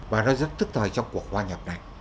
và nó rất thức thời trong cuộc hoạt động